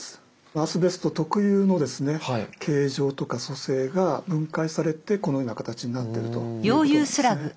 アスベスト特有のですね形状とか組成が分解されてこのような形になってるということなんですね。